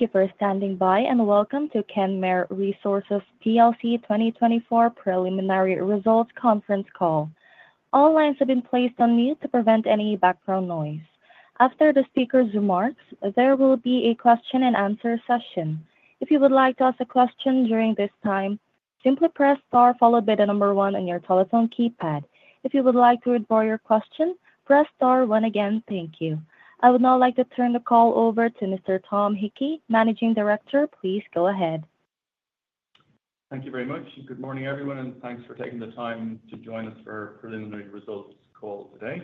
Thank you for standing by, and welcome to Kenmare Resources Plc 2024 Preliminary Results Conference Call. All lines have been placed on mute to prevent any background noise. After the speaker's remarks, there will be a question-and-answer session. If you would like to ask a question during this time, simply press star followed by the number one on your telephone keypad. If you would like to record your question, press star one again. Thank you. I would now like to turn the call over to Mr. Tom Hickey, Managing Director. Please go ahead. Thank you very much. Good morning, everyone, and thanks for taking the time to join us for Preliminary Results Call today.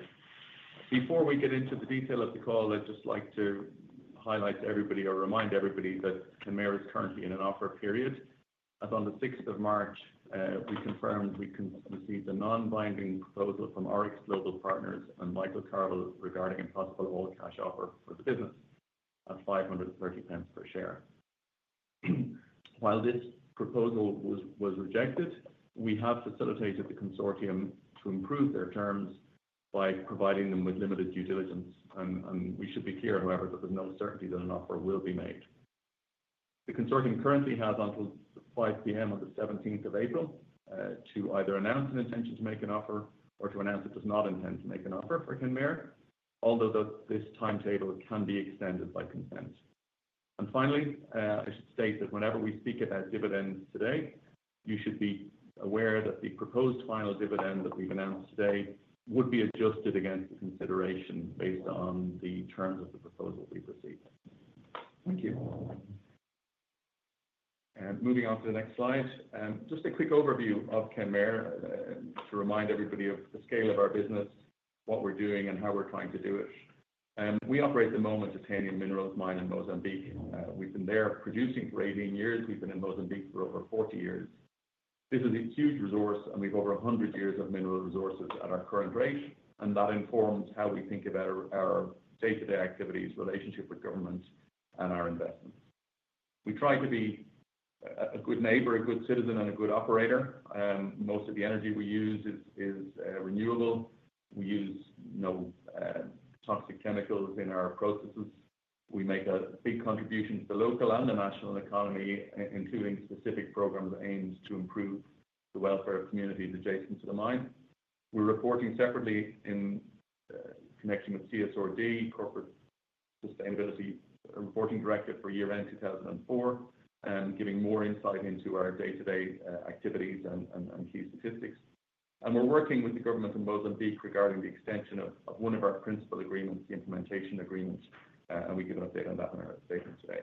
Before we get into the detail of the call, I'd just like to highlight to everybody or remind everybody that Kenmare is currently in an offer period. As of the 6th of March, we confirmed we can receive the non-binding proposal from RX Global Partners and Michael Carvill regarding a possible whole cash offer for the business at 530 per share. While this proposal was rejected, we have facilitated the consortium to improve their terms by providing them with limited due diligence, and we should be clear, however, that there's no certainty that an offer will be made. The consortium currently has until 5:00 P.M. on the 17th of April to either announce an intention to make an offer or to announce it does not intend to make an offer for Kenmare, although this timetable can be extended by consent. Finally, I should state that whenever we speak about dividends today, you should be aware that the proposed final dividend that we've announced today would be adjusted against the consideration based on the terms of the proposal we've received. Thank you. Moving on to the next slide, just a quick overview of Kenmare to remind everybody of the scale of our business, what we're doing, and how we're trying to do it. We operate the Moma Titanium Minerals Mine in Mozambique. We've been there producing for 18 years. We've been in Mozambique for over 40 years. This is a huge resource, and we have over 100 years of mineral resources at our current rate, and that informs how we think about our day-to-day activities, relationship with government, and our investments. We try to be a good neighbor, a good citizen, and a good operator. Most of the energy we use is renewable. We use no toxic chemicals in our processes. We make a big contribution to the local and the national economy, including specific programs aimed to improve the welfare of communities adjacent to the mine. We are reporting separately in connection with CSRD, Corporate Sustainability Reporting Directive for year-end 2024, and giving more insight into our day-to-day activities and key statistics. We are working with the government of Mozambique regarding the extension of one of our principal agreements, the implementation agreement, and we have given update on that in our statement today.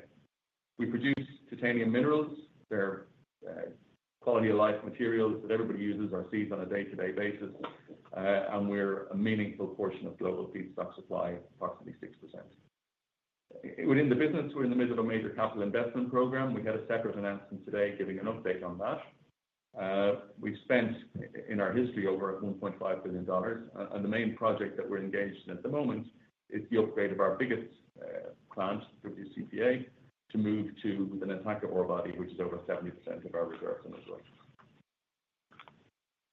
We produce titanium minerals. They're quality-of-life materials that everybody uses or sees on a day-to-day basis, and we're a meaningful portion of global feedstock supply, approximately 6%. Within the business, we're in the middle of a major capital investment program. We had a separate announcement today giving an update on that. We've spent in our history over $1.5 billion, and the main project that we're engaged in at the moment is the upgrade of our biggest plant, WCPA, to move to the Nataka Ore Body, which is over 70% of our reserves in the world.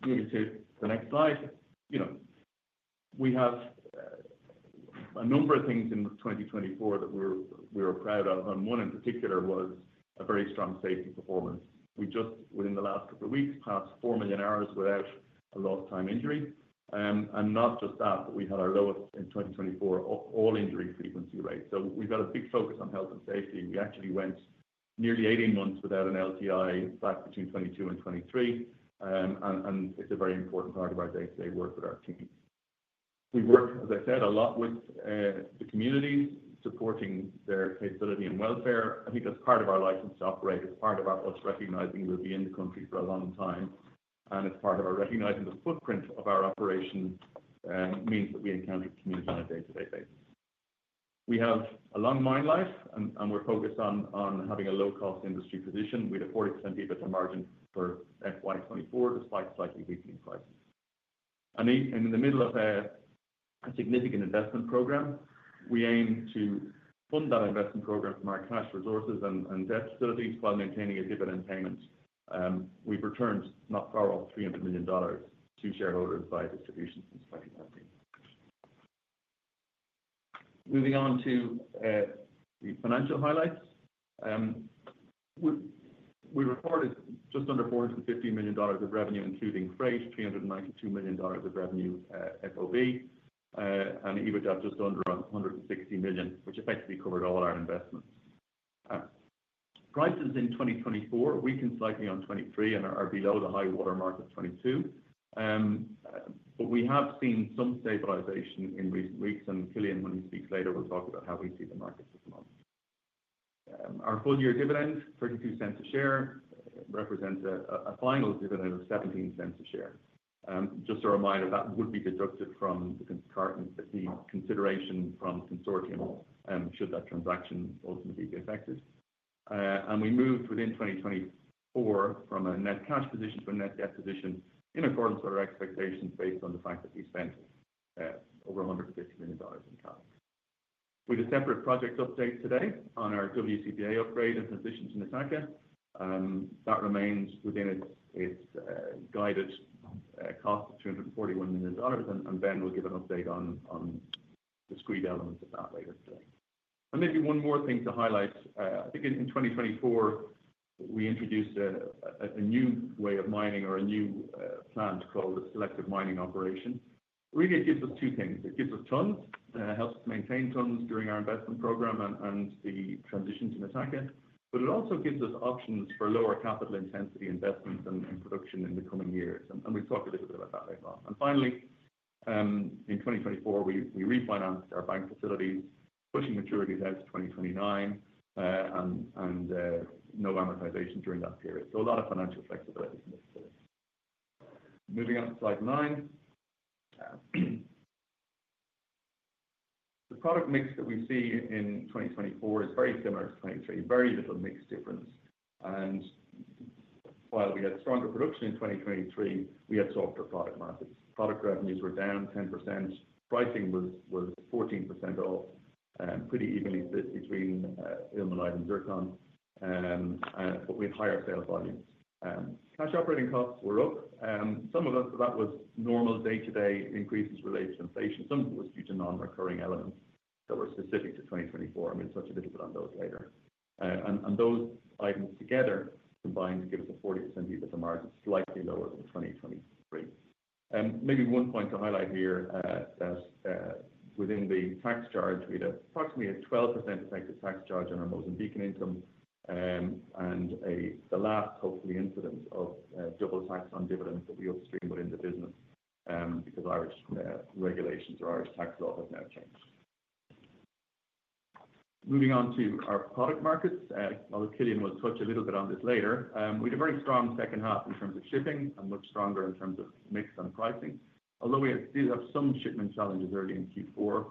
Moving to the next slide. We have a number of things in 2024 that we were proud of, and one in particular was a very strong safety performance. We just, within the last couple of weeks, passed four million hours without a lost-time injury. Not just that, but we had our lowest in 2024 all-injury frequency rate. We have had a big focus on health and safety. We actually went nearly 18 months without an LTI back between 2022 and 2023, and it is a very important part of our day-to-day work with our team. We work, as I said, a lot with the communities, supporting their capability and welfare. I think that is part of our license to operate. It is part of our recognizing we will be in the country for a long time, and it is part of our recognizing the footprint of our operation means that we encounter communities on a day-to-day basis. We have a long mine life, and we are focused on having a low-cost industry position. We had a 40% EBITDA margin for FY2024, despite slightly weakening prices. In the middle of a significant investment program, we aim to fund that investment program from our cash resources and debt facilities while maintaining a dividend payment. We've returned not far off $300 million to shareholders by distribution since 2019. Moving on to the financial highlights. We recorded just under $450 million of revenue, including freight, $392 million of revenue FOB, and EBITDA just under $160 million, which effectively covered all our investments. Prices in 2024 weakened slightly on 2023 and are below the high watermark of 2022, but we have seen some stabilization in recent weeks, and Cillian, when he speaks later, will talk about how we see the markets this month. Our full-year dividend, $0.32 a share, represents a final dividend of $0.17 a share. Just a reminder, that would be deducted from the consideration from the consortium should that transaction ultimately be effected. We moved within 2024 from a net cash position to a net debt position in accordance with our expectations based on the fact that we spent over $150 million in cash. With a separate project update today on our WCPA upgrade and transition to Nataka, that remains within its guided cost of $241 million, and Ben will give an update on the screed elements of that later today. Maybe one more thing to highlight. I think in 2024, we introduced a new way of mining or a new plan to call the selective mining operation. Really, it gives us two things. It gives us tons, helps us maintain tons during our investment program and the transition to Nataka, but it also gives us options for lower capital intensity investments and production in the coming years, and we'll talk a little bit about that later on. In 2024, we refinanced our bank facilities, pushing maturities out to 2029 and no amortization during that period. A lot of financial flexibility in the facilities. Moving on to Slide nine. The product mix that we see in 2024 is very similar to 2023, very little mix difference. While we had stronger production in 2023, we had softer product markets. Product revenues were down 10%. Pricing was 14% off, pretty evenly split between ilmenite and zircon, but with higher sales volumes. Cash operating costs were up. Some of that was normal day-to-day increases related to inflation. Some of it was due to non-recurring elements that were specific to 2024. I'm going to touch a little bit on those later. Those items together combined give us a 40% EBITDA margin, slightly lower than 2023. Maybe one point to highlight here that within the tax charge, we had approximately a 12% effective tax charge on our Mozambican income and the last, hopefully, incident of double tax on dividends that we upstream within the business because our regulations or our tax law have now changed. Moving on to our product markets, while Cillian will touch a little bit on this later, we had a very strong second half in terms of shipping and much stronger in terms of mix and pricing. Although we did have some shipment challenges early in Q4,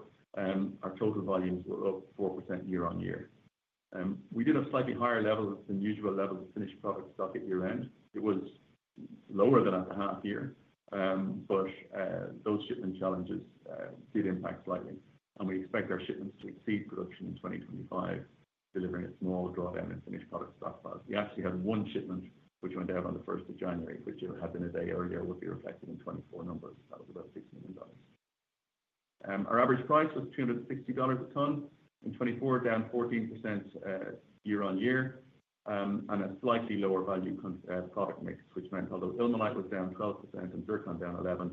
our total volumes were up 4% year-on-year. We did have slightly higher than usual levels of finished product stock at year-end. It was lower than at the half year, but those shipment challenges did impact slightly, and we expect our shipments to exceed production in 2025, delivering a small drawdown in finished product stockpiles. We actually had one shipment which went out on the 1st of January, which, if it had been a day earlier, would be reflected in 2024 numbers. That was about $6 million. Our average price was $260 a ton in 2024, down 14% year on year, and a slightly lower value product mix, which meant although ilmenite was down 12% and zircon down 11%,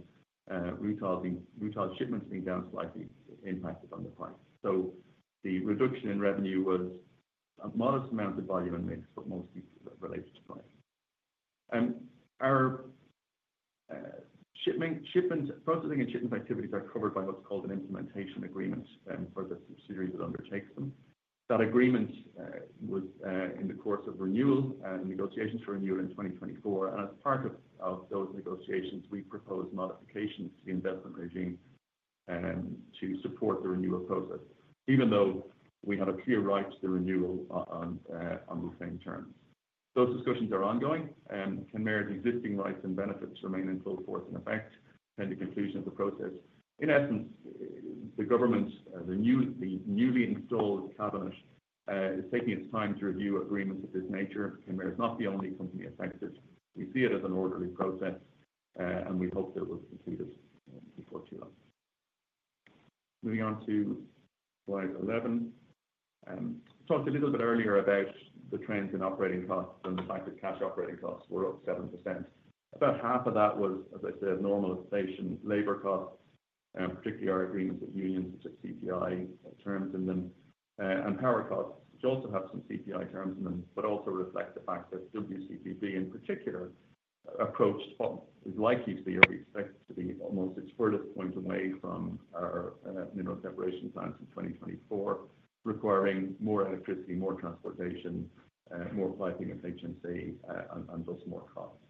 retail shipments being down slightly impacted on the price. The reduction in revenue was a modest amount of volume and mix, but mostly related to price. Our shipment processing and shipment activities are covered by what is called an implementation agreement for the subsidiary that undertakes them. That agreement was in the course of renewal and negotiations for renewal in 2024, and as part of those negotiations, we proposed modifications to the investment regime to support the renewal process, even though we had a clear right to the renewal on the same terms. Those discussions are ongoing. Kenmare's existing rights and benefits remain in full force and effect pending conclusion of the process. In essence, the government, the newly installed cabinet, is taking its time to review agreements of this nature. Kenmare is not the only company affected. We see it as an orderly process, and we hope that it will be completed before too long. Moving on to Slide 11. I talked a little bit earlier about the trends in operating costs and the fact that cash operating costs were up 7%. About half of that was, as I said, normalization labor costs, particularly our agreements with unions that took CPI terms in them, and power costs, which also have some CPI terms in them, but also reflect the fact that WCPB in particular approached what is likely to be or we expect to be almost its furthest point away from our mineral separation plants in 2024, requiring more electricity, more transportation, more piping at HMC, and thus more costs.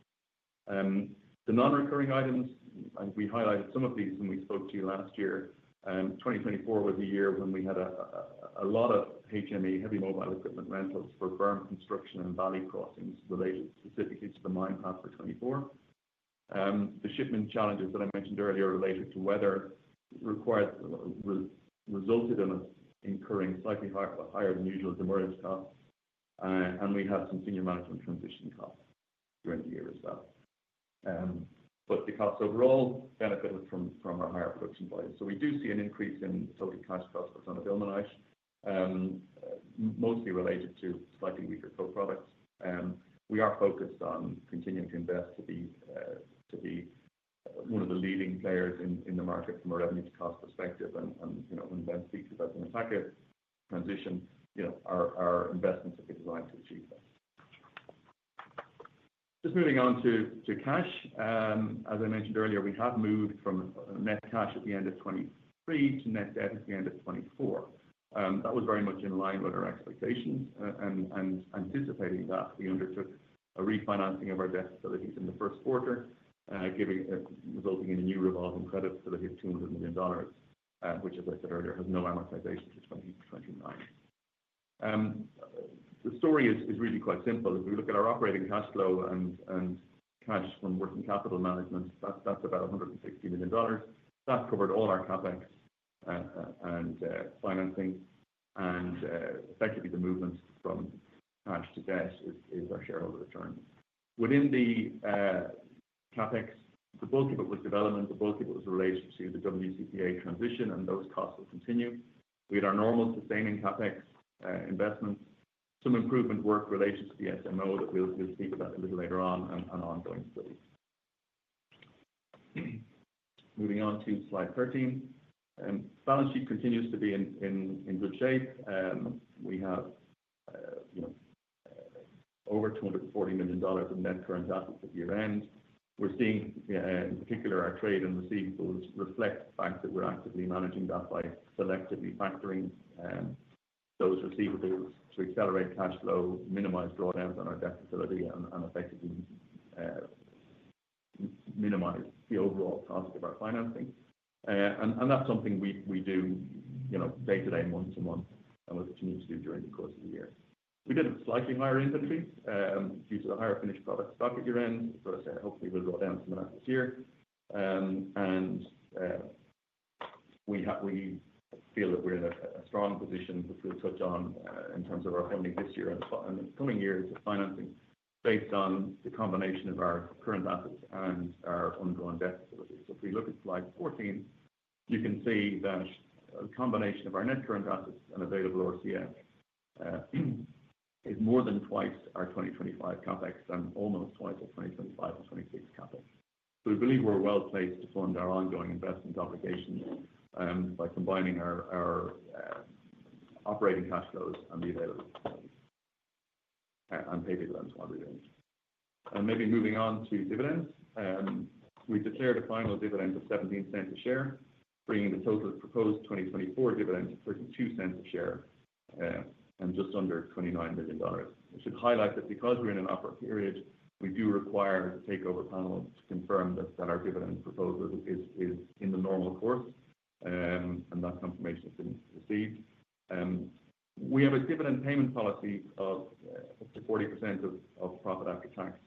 The non-recurring items, and we highlighted some of these when we spoke to you last year, 2024 was a year when we had a lot of HME heavy mobile equipment rentals for berm construction and valley crossings related specifically to the mine path for 2024. The shipment challenges that I mentioned earlier related to weather resulted in us incurring slightly higher than usual demurrage costs, and we had some senior management transition costs during the year as well. The costs overall benefited from our higher production volume. We do see an increase in total cash prospects on ilmenite, mostly related to slightly weaker co-products. We are focused on continuing to invest to be one of the leading players in the market from a revenue-to-cost perspective, and when Ben speaks about the Nataka transition, our investments have been designed to achieve that. Just moving on to cash. As I mentioned earlier, we have moved from net cash at the end of 2023 to net debt at the end of 2024. That was very much in line with our expectations and anticipating that we undertook a refinancing of our debt facilities in the first quarter, resulting in a new revolving credit facility of $200 million, which, as I said earlier, has no amortization for 2023 to 2029. The story is really quite simple. If we look at our operating cash flow and cash from working capital management, that's about $160 million. That covered all our CapEx and financing, and effectively the movement from cash to debt is our shareholder return. Within the CapEx, the bulk of it was development. The bulk of it was related to the WCPA transition, and those costs will continue. We had our normal sustaining CapEx investments. Some improvement work related to the SMO that we'll speak about a little later on and ongoing studies. Moving on to Slide 13. Balance sheet continues to be in good shape. We have over $240 million of net current assets at year-end. We are seeing, in particular, our trade and receivables reflect the fact that we are actively managing that by selectively factoring those receivables to accelerate cash flow, minimize drawdowns on our debt facility, and effectively minimize the overall cost of our financing. That is something we do day-to-day and month-to-month, and we will continue to do during the course of the year. We did have slightly higher inventory due to the higher finished product stock at year-end, but hopefully we will draw down some of that this year. We feel that we are in a strong position, which we will touch on in terms of our funding this year and the coming years of financing based on the combination of our current assets and our ongoing debt facilities. If we look at Slide 14, you can see that the combination of our net current assets and available RCFs is more than twice our 2025 CapEx and almost twice our 2025 and 2026 CapEx. We believe we're well placed to fund our ongoing investment obligations by combining our operating cash flows and the available facilities and pay dividends while we're doing it. Moving on to dividends. We declared a final dividend of $0.17 a share, bringing the total proposed 2024 dividend to $0.32 a share and just under $29 million. I should highlight that because we're in an upper period, we do require takeover panels to confirm that our dividend proposal is in the normal course, and that confirmation has been received. We have a dividend payment policy of up to 40% of profit after tax.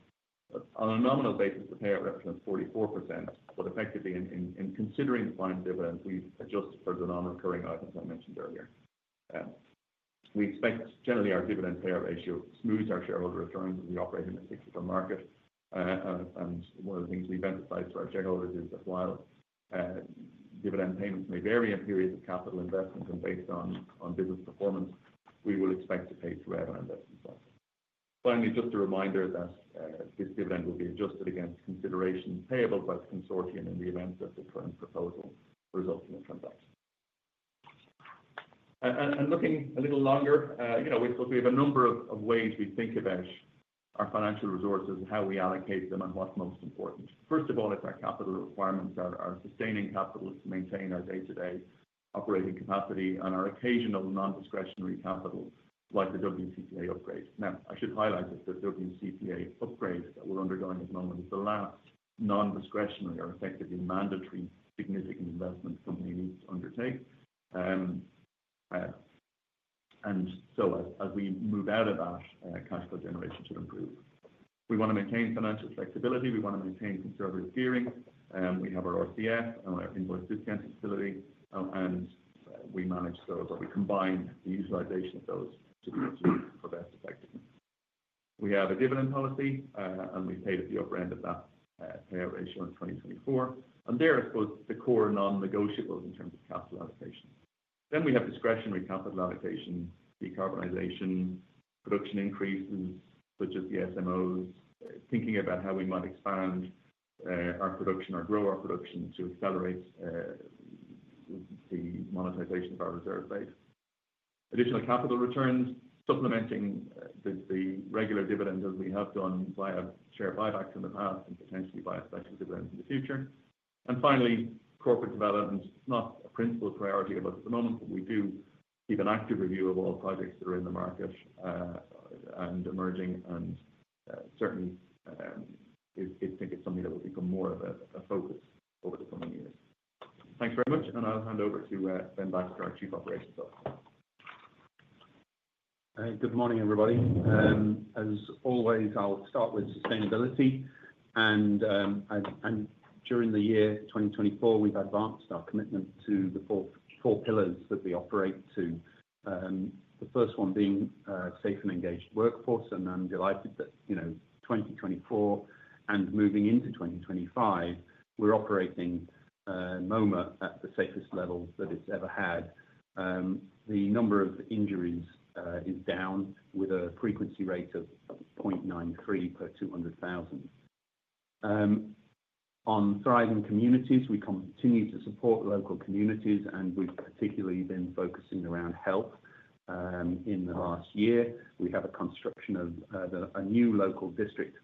On a nominal basis, the payout represents 44%, but effectively, in considering the final dividend, we've adjusted for the non-recurring items I mentioned earlier. We expect generally our dividend payout ratio smooths our shareholder returns as we operate in a fixed return market, and one of the things we've emphasized to our shareholders is that while dividend payments may vary in periods of capital investment and based on business performance, we will expect to pay throughout our investment cycle. Finally, just a reminder that this dividend will be adjusted against consideration payable by the consortium in the event that the current proposal results in a transaction. Looking a little longer, we've got a number of ways we think about our financial resources and how we allocate them and what's most important. First of all, it's our capital requirements, our sustaining capital to maintain our day-to-day operating capacity, and our occasional non-discretionary capital like the WCPA upgrade. I should highlight that the WCPA upgrade that we're undergoing at the moment is the last non-discretionary or effectively mandatory significant investment the company needs to undertake. As we move out of that, cash flow generation should improve. We want to maintain financial flexibility. We want to maintain conservative gearing. We have our RCS and our invoice discount facility, and we manage those, or we combine the utilization of those to be able to progress effectively. We have a dividend policy, and we've paid at the upper end of that payout ratio in 2024. There are the core non-negotiables in terms of capital allocation. We have discretionary capital allocation, decarbonization, production increases such as the SMOs, thinking about how we might expand our production or grow our production to accelerate the monetization of our reserve base. Additional capital returns, supplementing the regular dividend that we have done via share buybacks in the past and potentially via special dividends in the future. Finally, corporate development, not a principal priority of us at the moment, but we do keep an active review of all projects that are in the market and emerging, and certainly I think it is something that will become more of a focus over the coming years. Thanks very much, and I'll hand over to Ben Baxter, our Chief Operations Officer. Good morning, everybody. As always, I'll start with sustainability. During the year 2024, we've advanced our commitment to the four pillars that we operate to, the first one being a safe and engaged workforce. I'm delighted that 2024 and moving into 2025, we're operating Moma at the safest level that it's ever had. The number of injuries is down with a frequency rate of 0.93 per 200,000. On thriving communities, we continue to support local communities, and we've particularly been focusing around health. In the last year, we have a construction of a new local district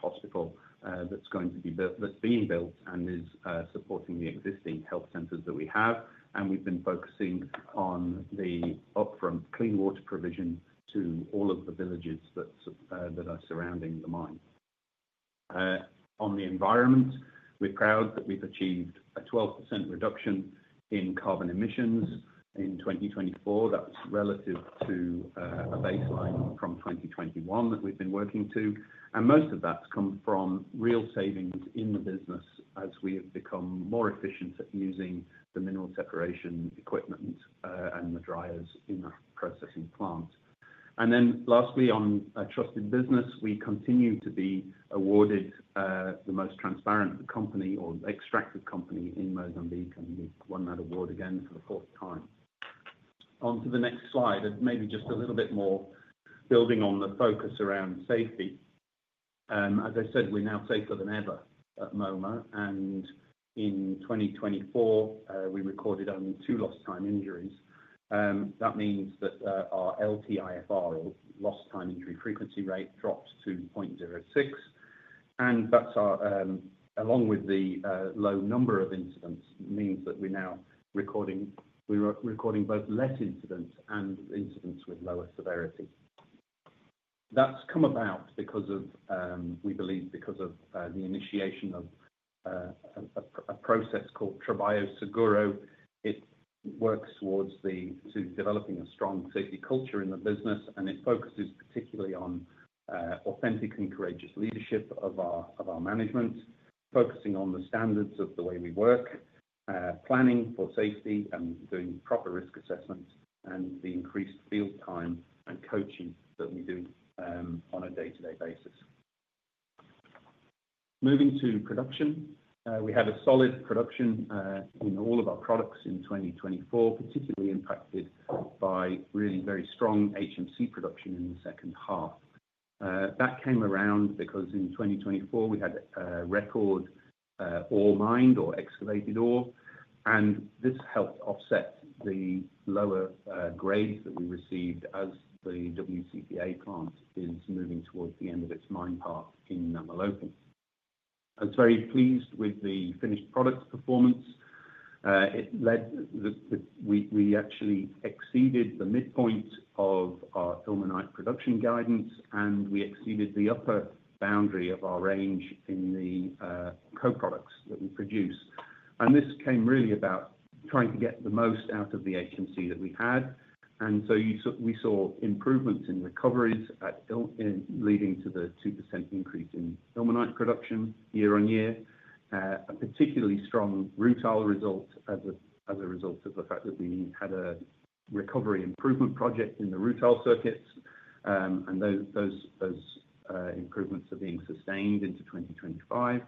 hospital that's going to be built, that's being built and is supporting the existing health centers that we have. We've been focusing on the upfront clean water provision to all of the villages that are surrounding the mine. On the environment, we're proud that we've achieved a 12% reduction in carbon emissions in 2024. That's relative to a baseline from 2021 that we've been working to. Most of that's come from real savings in the business as we have become more efficient at using the mineral separation equipment and the dryers in our processing plant. Lastly, on trusted business, we continue to be awarded the most transparent company or extracted company in Mozambique, and we've won that award again for the fourth time. Onto the next slide, and maybe just a little bit more building on the focus around safety. As I said, we're now safer than ever at Moma, and in 2024, we recorded only two lost-time injuries. That means that our LTIFR, or Lost Time Injury Frequency Rate, dropped to 0.06. Along with the low number of incidents, that means we're now recording both fewer incidents and incidents with lower severity. That's come about because of, we believe, because of the initiation of a process called Trabalho Seguro. It works towards developing a strong safety culture in the business, and it focuses particularly on authentic and courageous leadership of our management, focusing on the standards of the way we work, planning for safety, and doing proper risk assessments, and the increased field time and coaching that we do on a day-to-day basis. Moving to production, we had a solid production in all of our products in 2024, particularly impacted by really very strong HMC production in the second half. That came around because in 2024, we had a record ore mined or excavated ore, and this helped offset the lower grades that we received as the WCPA plant is moving towards the end of its mine path in Namaloke. I was very pleased with the finished product performance. We actually exceeded the midpoint of our ilmenite production guidance, and we exceeded the upper boundary of our range in the co-products that we produce. This came really about trying to get the most out of the HMC that we had. We saw improvements in recoveries leading to the 2% increase in ilmenite production year-on-year, a particularly strong rutile result as a result of the fact that we had a recovery improvement project in the rutile circuits. Those improvements are being sustained into 2025.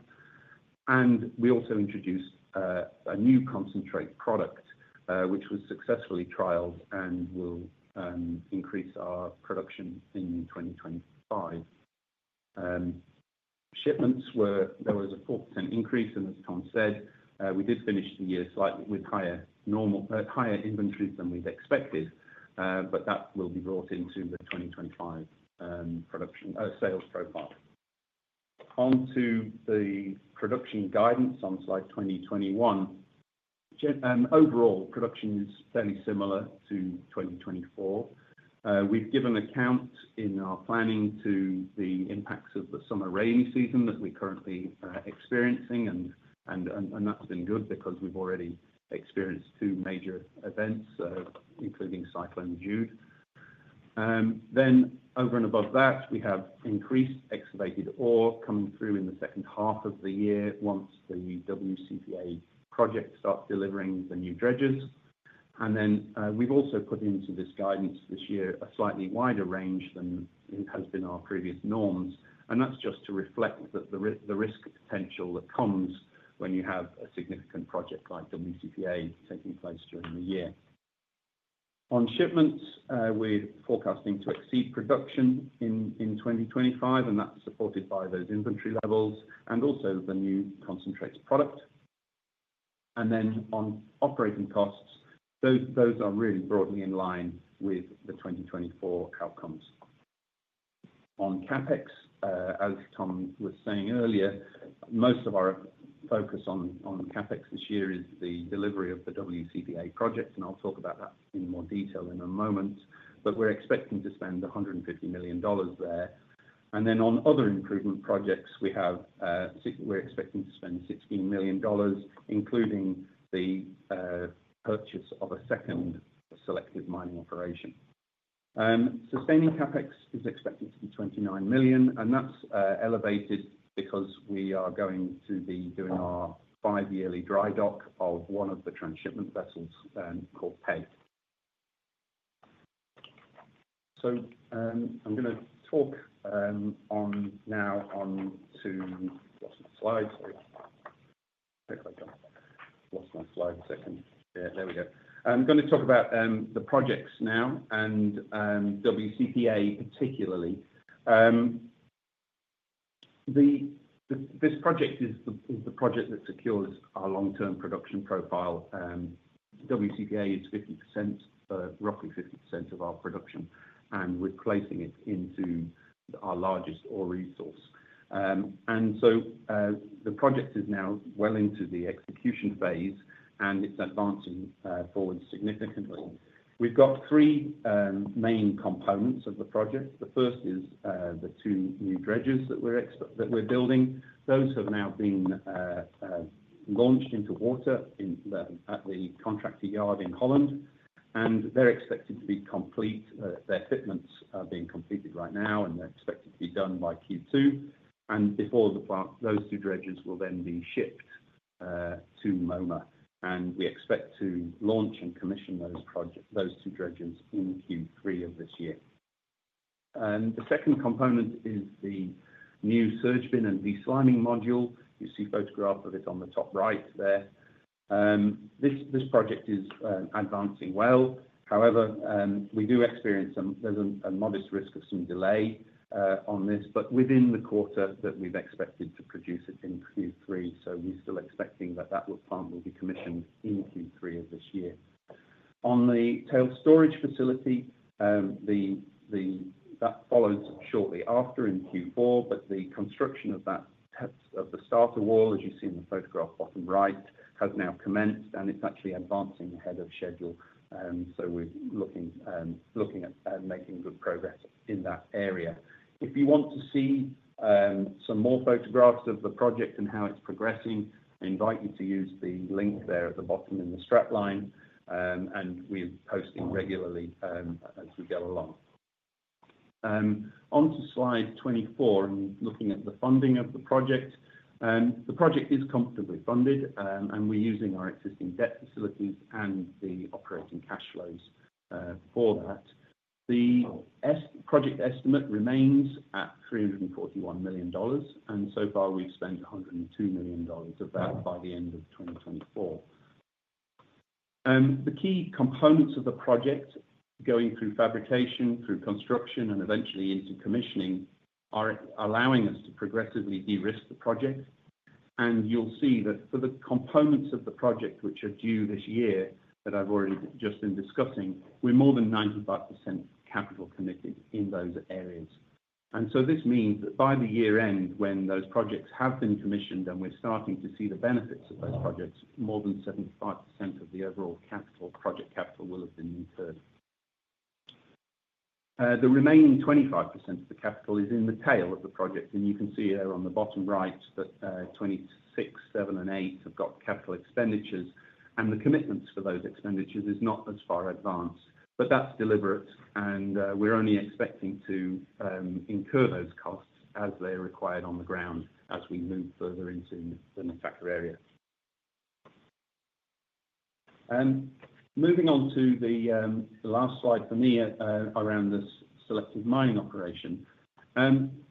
We also introduced a new concentrate product, which was successfully trialed and will increase our production in 2025. Shipments, there was a 4% increase, and as Tom said, we did finish the year slightly with higher inventories than we'd expected, but that will be brought into the 2025 sales profile. Onto the production guidance on slide 2021. Overall, production is fairly similar to 2024. We've given account in our planning to the impacts of the summer rainy season that we're currently experiencing, and that's been good because we've already experienced two major events, including Cyclone Jude. Over and above that, we have increased excavated ore coming through in the second half of the year once the WCPA project starts delivering the new dredgers. We've also put into this guidance this year a slightly wider range than has been our previous norms. That's just to reflect the risk potential that comes when you have a significant project like WCPA taking place during the year. On shipments, we're forecasting to exceed production in 2025, and that's supported by those inventory levels and also the new concentrate product. On operating costs, those are really broadly in line with the 2024 outcomes. On CapEx, as Tom was saying earlier, most of our focus on CapEx this year is the delivery of the WCPA project, and I'll talk about that in more detail in a moment. We're expecting to spend $150 million there. On other improvement projects, we're expecting to spend $16 million, including the purchase of a second selective mining operation. Sustaining CapEx is expected to be $29 million, and that's elevated because we are going to be doing our five-yearly dry dock of one of the transshipment vessels called Peg. I'm going to talk now onto lost my slide. Sorry. Lost my slide a second. There we go. I'm going to talk about the projects now and WCPA particularly. This project is the project that secures our long-term production profile. WCPA is 50%, roughly 50% of our production, and we're placing it into our largest ore resource. The project is now well into the execution phase, and it's advancing forward significantly. We've got three main components of the project. The first is the two new dredgers that we're building. Those have now been launched into water at the contractor yard in Holland, and they're expected to be complete. Their fitments are being completed right now, and they're expected to be done by Q2. Before the plant, those two dredgers will then be shipped to Moma, and we expect to launch and commission those two dredgers in Q3 of this year. The second component is the new surge bin and desliming module. You see a photograph of it on the top right there. This project is advancing well. However, we do experience a modest risk of some delay on this, but within the quarter that we've expected to produce it in Q3. We're still expecting that that plant will be commissioned in Q3 of this year. On the tail storage facility, that follows shortly after in Q4, but the construction of the starter wall, as you see in the photograph bottom right, has now commenced, and it's actually advancing ahead of schedule. We're looking at making good progress in that area. If you want to see some more photographs of the project and how it's progressing, I invite you to use the link there at the bottom in the strapline, and we're posting regularly as we go along. Onto Slide 24 and looking at the funding of the project. The project is comfortably funded, and we're using our existing debt facilities and the operating cash flows for that. The project estimate remains at $341 million, and so far we've spent $102 million of that by the end of 2024. The key components of the project, going through fabrication, through construction, and eventually into commissioning, are allowing us to progressively de-risk the project. You will see that for the components of the project which are due this year that I have already just been discussing, we are more than 95% capital committed in those areas. This means that by the year end, when those projects have been commissioned and we are starting to see the benefits of those projects, more than 75% of the overall project capital will have been incurred. The remaining 25% of the capital is in the tail of the project, and you can see there on the bottom right that 2026, 2027, and 2028 have got capital expenditures, and the commitments for those expenditures are not as far advanced. That's deliberate, and we're only expecting to incur those costs as they're required on the ground as we move further into the Nataka area. Moving on to the last slide for me around this selective mining operation.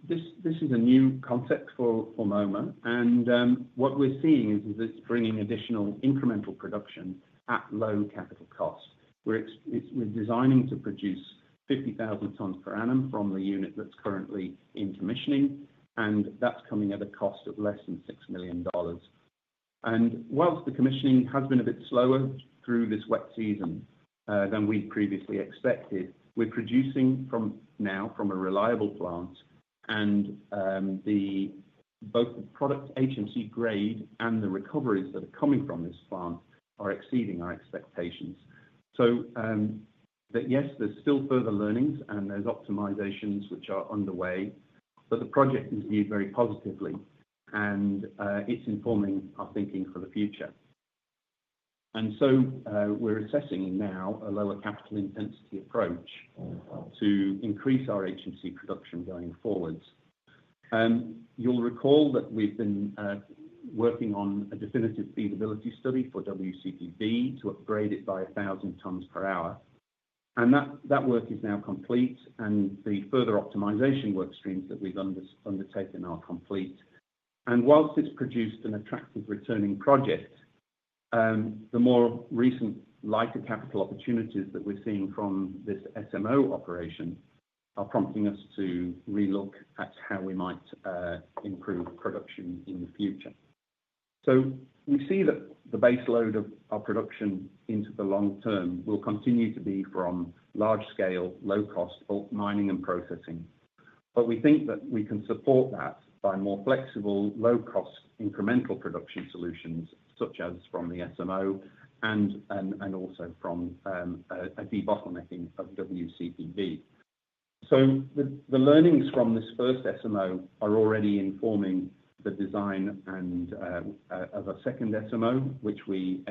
This is a new concept for Moma, and what we're seeing is it's bringing additional incremental production at low capital cost. We're designing to produce 50,000 tonnes per annum from the unit that's currently in commissioning, and that's coming at a cost of less than $6 million. Whilst the commissioning has been a bit slower through this wet season than we previously expected, we're producing now from a reliable plant, and both the product HMC grade and the recoveries that are coming from this plant are exceeding our expectations. Yes, there's still further learnings, and there's optimizations which are underway, but the project is viewed very positively, and it's informing our thinking for the future. We're assessing now a lower capital intensity approach to increase our HMC production going forwards. You'll recall that we've been working on a definitive feasibility study for WCPB to upgrade it by 1,000 tonnes per hour. That work is now complete, and the further optimization workstreams that we've undertaken are complete. Whilst it's produced an attractive returning project, the more recent lighter capital opportunities that we're seeing from this SMO operation are prompting us to relook at how we might improve production in the future. We see that the baseload of our production into the long term will continue to be from large-scale, low-cost mining and processing. We think that we can support that by more flexible, low-cost incremental production solutions, such as from the SMO and also from a debottlenecking of WCPB. The learnings from this first SMO are already informing the design of a second SMO, which we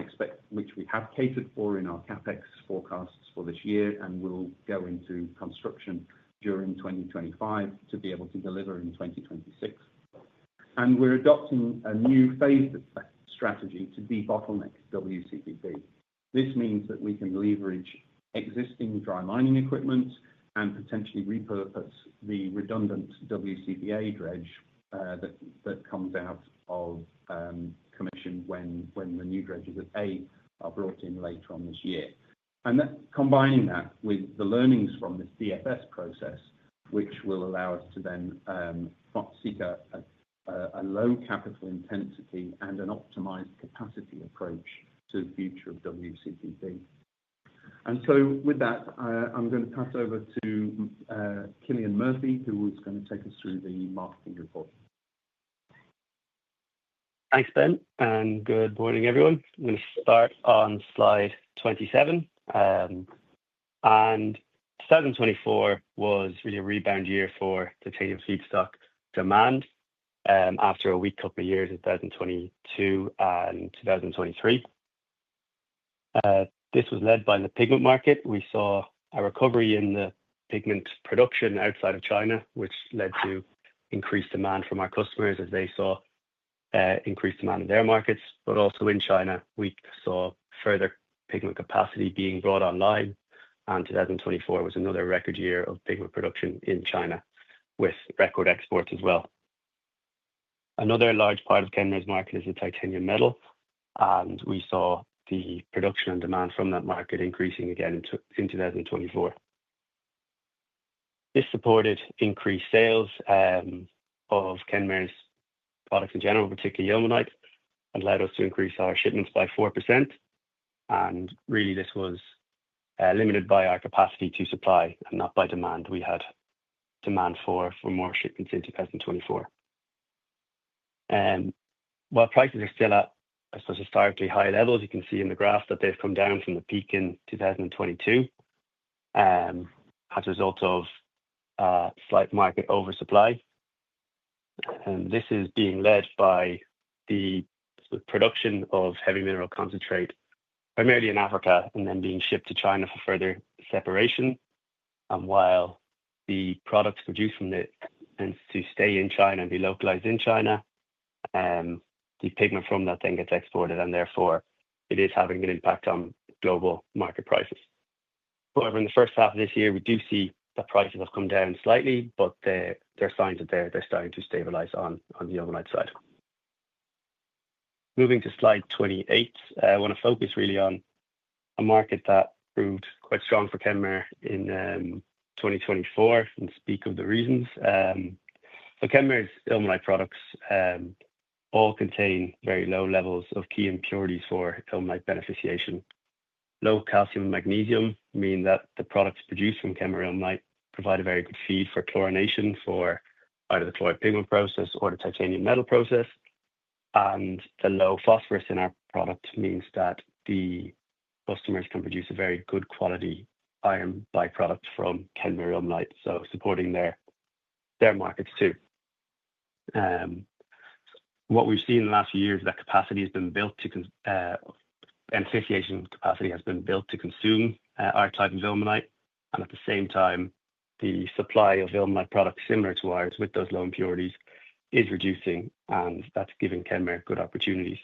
have catered for in our CapEx forecasts for this year and will go into construction during 2025 to be able to deliver in 2026. We are adopting a new phased strategy to debottleneck WCPB. This means that we can leverage existing dry mining equipment and potentially repurpose the redundant WCPA dredge that comes out of commission when the new dredges are brought in later on this year. Combining that with the learnings from this DFS process, this will allow us to then seek a low capital intensity and an optimized capacity approach to the future of WCPB. With that, I'm going to pass over to Cillian Murphy, who is going to take us through the marketing report. Thanks, Ben. Good morning, everyone. I'm going to start on Slide 27. 2024 was really a rebound year for titanium feedstock demand after a weak couple of years in 2022 and 2023. This was led by the pigment market. We saw a recovery in the pigment production outside of China, which led to increased demand from our customers as they saw increased demand in their markets. Also in China, we saw further pigment capacity being brought online, and 2024 was another record year of pigment production in China with record exports as well. Another large part of Kenmare's market is the titanium metal, and we saw the production and demand from that market increasing again in 2024. This supported increased sales of Kenmare's products in general, particularly ilmenite, and allowed us to increase our shipments by 4%. This was limited by our capacity to supply and not by demand. We had demand for more shipments in 2024. While prices are still at historically high levels, you can see in the graph that they've come down from the peak in 2022 as a result of slight market oversupply. This is being led by the production of heavy mineral concentrate, primarily in Africa, and then being shipped to China for further separation. While the products produced from it tend to stay in China and be localized in China, the pigment from that then gets exported, and therefore it is having an impact on global market prices. However, in the first half of this year, we do see that prices have come down slightly, but there are signs that they're starting to stabilize on the ilmenite side. Moving to Slide 28, I want to focus really on a market that proved quite strong for Kenmare in 2024, and speak of the reasons. Kenmare's ilmenite products all contain very low levels of key impurities for ilmenite beneficiation. Low calcium and magnesium mean that the products produced from Kenmare ilmenite provide a very good feed for chlorination for either the chloride pigment process or the titanium metal process. The low phosphorus in our product means that the customers can produce a very good quality iron byproduct from Kenmare ilmenite, supporting their markets too. What we've seen in the last few years is that capacity has been built to beneficiation capacity has been built to consume our type of ilmenite. At the same time, the supply of ilmenite products similar to ours with those low impurities is reducing, and that's given Kenmare good opportunities.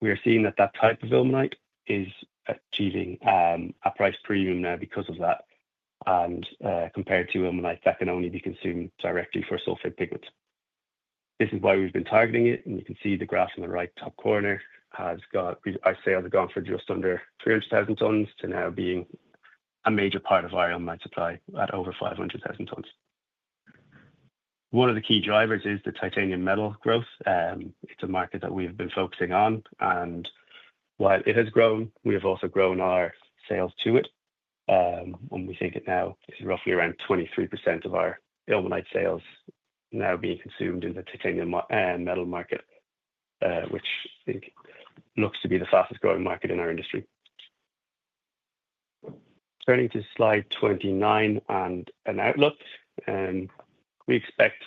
We are seeing that that type of ilmenite is achieving a price premium now because of that, and compared to ilmenite, that can only be consumed directly for sulfate pigments. This is why we've been targeting it, and you can see the graph in the right top corner has got our sales have gone from just under 300,000 tonnes to now being a major part of our ilmenite supply at over 500,000 tonnes. One of the key drivers is the titanium metal growth. It's a market that we've been focusing on, and while it has grown, we have also grown our sales to it. We think it now is roughly around 23% of our ilmenite sales now being consumed in the titanium metal market, which I think looks to be the fastest growing market in our industry. Turning to Slide 29 and an outlook, we expect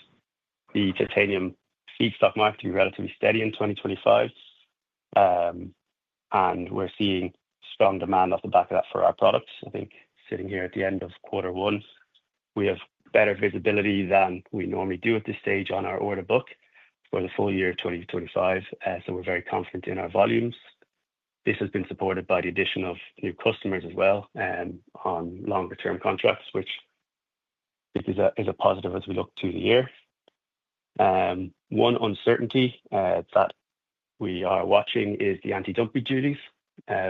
the titanium feedstock market to be relatively steady in 2025, and we're seeing strong demand off the back of that for our products. I think sitting here at the end of quarter one, we have better visibility than we normally do at this stage on our order book for the full year 2025, so we're very confident in our volumes. This has been supported by the addition of new customers as well on longer-term contracts, which is a positive as we look to the year. One uncertainty that we are watching is the anti-dumping duties.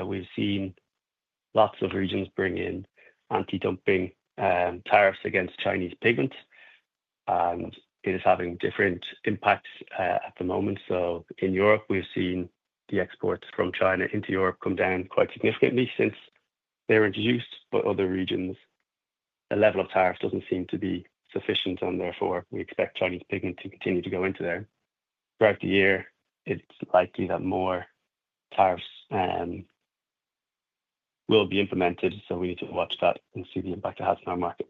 We've seen lots of regions bring in anti-dumping tariffs against Chinese pigments, and it is having different impacts at the moment. In Europe, we've seen the exports from China into Europe come down quite significantly since they were introduced, but in other regions, the level of tariff does not seem to be sufficient, and therefore we expect Chinese pigment to continue to go into there. Throughout the year, it's likely that more tariffs will be implemented, so we need to watch that and see the impact it has on our market.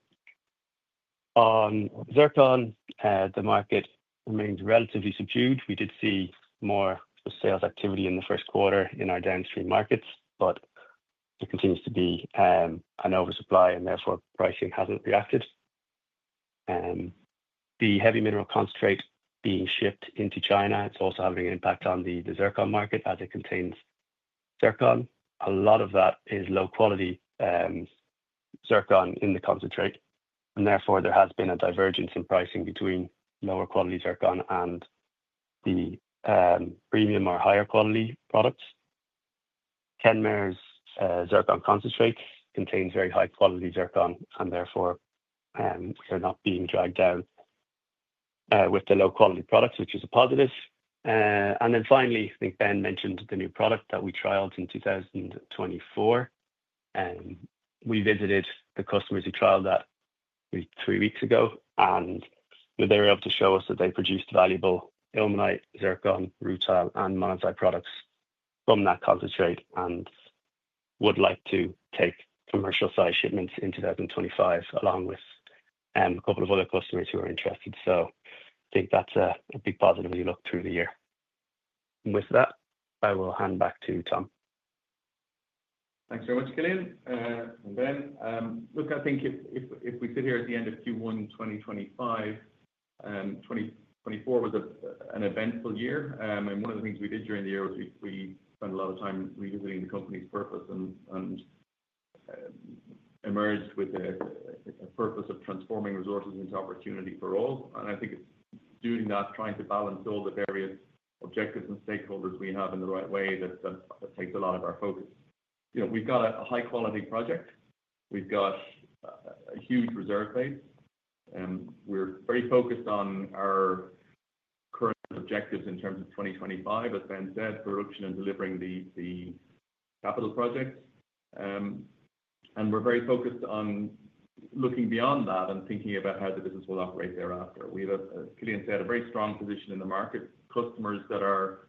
On zircon, the market remains relatively subdued. We did see more sales activity in the first quarter in our downstream markets, but there continues to be an oversupply, and therefore pricing has not reacted. The heavy mineral concentrate being shipped into China is also having an impact on the zircon market as it contains zircon. A lot of that is low-quality zircon in the concentrate, and therefore there has been a divergence in pricing between lower-quality zircon and the premium or higher-quality products. Kenmare's zircon concentrate contains very high-quality zircon, and therefore we are not being dragged down with the low-quality products, which is a positive. Finally, I think Ben mentioned the new product that we trialed in 2024. We visited the customers who trialed that three weeks ago, and they were able to show us that they produced valuable ilmenite, zircon, rutile, and monazite products from that concentrate and would like to take commercial-sized shipments in 2025, along with a couple of other customers who are interested. I think that is a big positive as we look through the year. With that, I will hand back to Tom. Thanks very much, Cillian and Ben. Look, I think if we sit here at the end of Q1 2025, 2024 was an eventful year. One of the things we did during the year was we spent a lot of time revisiting the company's purpose and emerged with a purpose of transforming resources into opportunity for all. I think it's doing that, trying to balance all the various objectives and stakeholders we have in the right way, that takes a lot of our focus. We've got a high-quality project. We've got a huge reserve base. We're very focused on our current objectives in terms of 2025, as Ben said, production and delivering the capital projects. We're very focused on looking beyond that and thinking about how the business will operate thereafter. We have, as Cillian said, a very strong position in the market, customers that are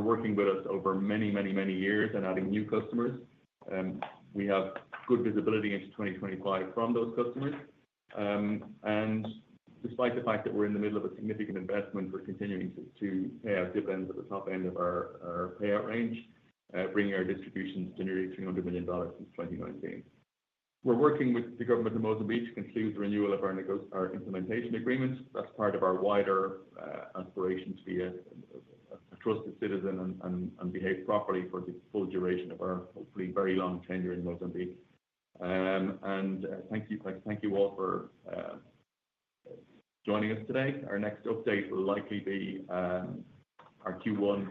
working with us over many, many, many years and adding new customers. We have good visibility into 2025 from those customers. Despite the fact that we're in the middle of a significant investment, we're continuing to pay our dividends at the top end of our payout range, bringing our distributions to nearly $300 million since 2019. We're working with the government of Mozambique to conclude the renewal of our implementation agreement. That's part of our wider aspiration to be a trusted citizen and behave properly for the full duration of our hopefully very long tenure in Mozambique. Thank you all for joining us today. Our next update will likely be our Q1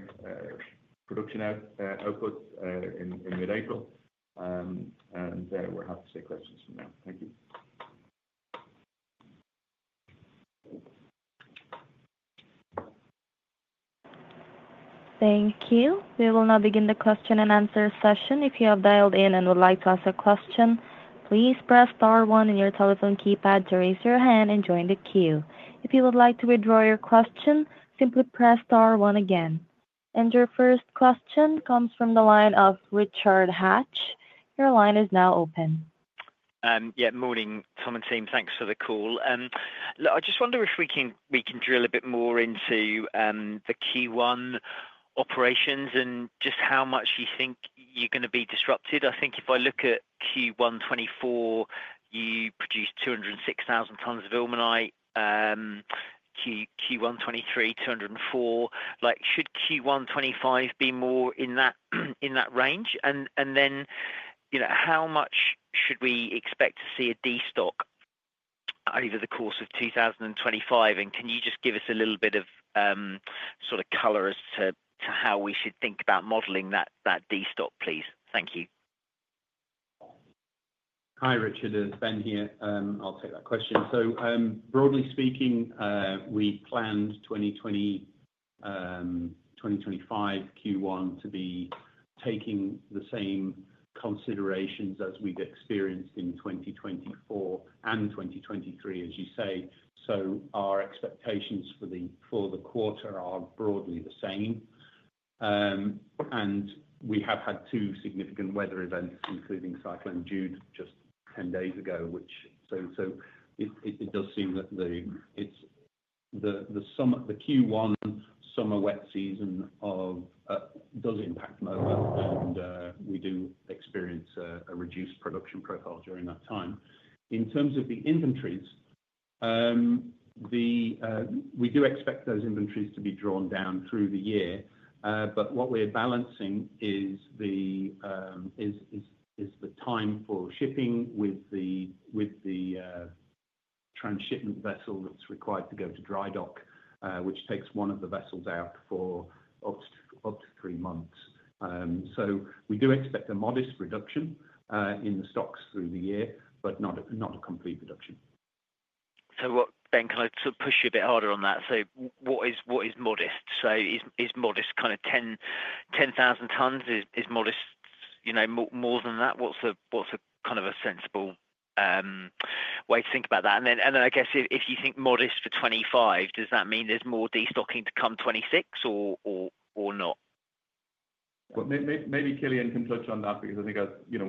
production output in mid-April, and we're happy to take questions from now. Thank you. Thank you. We will now begin the question and answer session. If you have dialed in and would like to ask a question, please press star one on your telephone keypad to raise your hand and join the queue. If you would like to withdraw your question, simply press star one again. Your first question comes from the line of Richard Hatch. Your line is now open. Yeah, morning, Tom and team. Thanks for the call. Look, I just wonder if we can drill a bit more into the Q1 operations and just how much you think you're going to be disrupted. I think if I look at Q1 2024, you produced 206,000 tonnes of ilmenite. Q1 2023, 204. Should Q1 2025 be more in that range? How much should we expect to see a destock over the course of 2025? Can you just give us a little bit of sort of color as to how we should think about modeling that destock, please? Thank you. Hi, Richard, Ben here. I'll take that question. Broadly speaking, we planned 2025 Q1 to be taking the same considerations as we've experienced in 2024 and 2023, as you say. Our expectations for the quarter are broadly the same. We have had two significant weather events, including cyclone Jude just 10 days ago, which. It does seem that the Q1 summer wet season does impact Moma, and we do experience a reduced production profile during that time. In terms of the inventories, we do expect those inventories to be drawn down through the year, but what we're balancing is the time for shipping with the transshipment vessel that's required to go to dry dock, which takes one of the vessels out for up to three months. We do expect a modest reduction in the stocks through the year, but not a complete reduction. Ben, can I sort of push you a bit harder on that? What is modest? Is modest kind of 10,000 tonnes, more than that? What's a kind of a sensible way to think about that? I guess if you think modest for 2025, does that mean there's more destocking to come 2026 or not? Maybe Cillian can touch on that because I think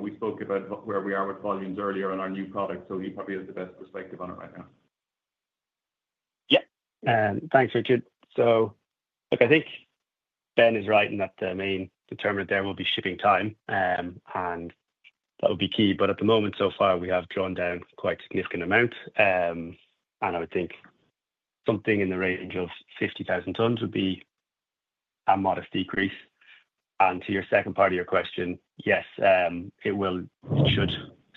we spoke about where we are with volumes earlier on our new product, so he probably has the best perspective on it right now. Yeah. Thanks, Richard. Look, I think Ben is right in that the main determinant there will be shipping time, and that will be key. At the moment, so far, we have drawn down quite a significant amount, and I would think something in the range of 50,000 tonnes would be a modest decrease. To your second part of your question, yes, it should. I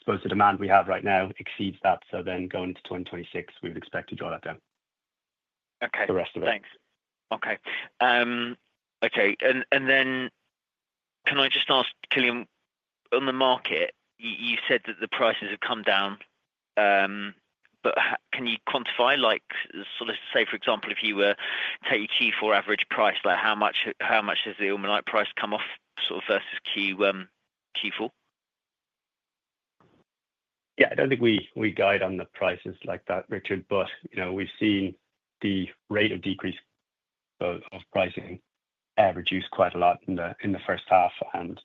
suppose the demand we have right now exceeds that, so going into 2026, we would expect to draw that down for the rest of it. Okay. Thanks. Okay. Okay. Can I just ask, Cillian, on the market, you said that the prices have come down, but can you quantify, sort of say, for example, if you were taking Q4 average price, how much has the Ilmenite price come off sort of versus Q4? Yeah, I don't think we guide on the prices like that, Richard, but we've seen the rate of decrease of pricing reduce quite a lot in the first half, and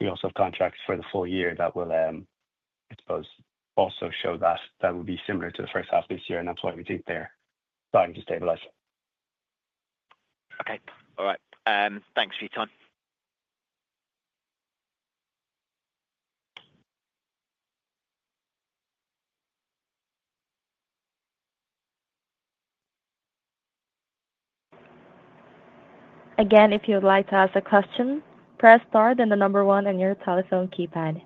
we also have contracts for the full year that will, I suppose, also show that that will be similar to the first half this year, and that's why we think they're starting to stabilize. Okay. All right. Thanks for your time. Again, if you would like to ask a question, press star then the number one on your telephone keypad.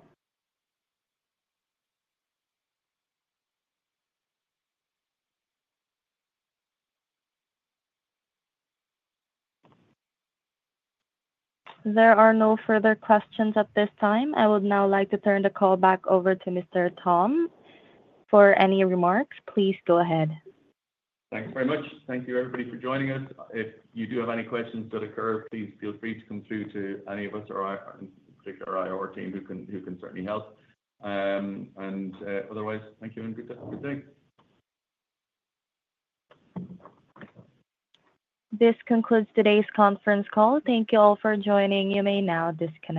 There are no further questions at this time. I would now like to turn the call back over to Mr. Tom for any remarks. Please go ahead. Thanks very much. Thank you, everybody, for joining us. If you do have any questions that occur, please feel free to come through to any of us or our particular IR team who can certainly help. Otherwise, thank you and good day. This concludes today's conference call. Thank you all for joining. You may now disconnect.